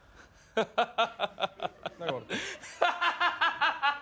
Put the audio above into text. ハハハ。